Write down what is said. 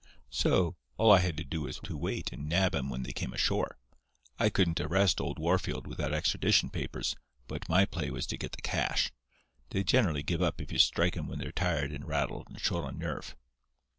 So, all I had to do was to wait and nab 'em when they came ashore. I couldn't arrest old Wahrfield without extradition papers, but my play was to get the cash. They generally give up if you strike 'em when they're tired and rattled and short on nerve.